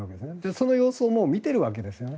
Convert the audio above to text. その様子を見ているわけですよね。